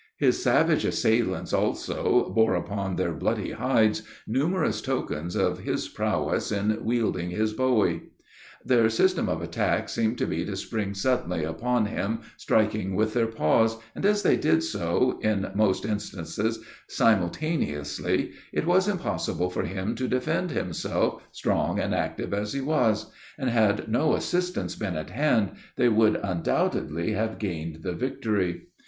His savage assailants also, bore upon their bloody hides numerous tokens of his prowess in wielding his bowie. Their system of attack seemed to be to spring suddenly upon him, striking with their paws, and as they did so, in most instances, simultaneously, it was impossible for him to defend himself, strong and active as he was; and had no assistance been at hand, they would undoubtedly have gained the victory.